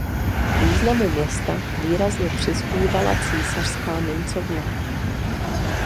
Významu města výrazně přispívala císařská mincovna.